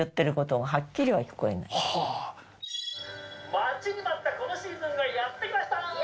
待ちに待ったこのシーズンがやって来ました！